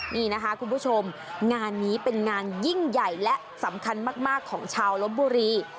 นี่นะคะคุณผู้ชมงานนี้เป็นงานยิ่งใหญ่และสำคัญมากของชาวลบบุรี